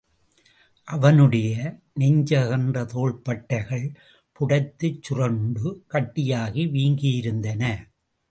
அவனுடைய, நெஞ்சு அகன்று தோள்பட்டைகள், புடைத்துச் சுருண்டு கட்டியாகி வீங்கியிருந்தன.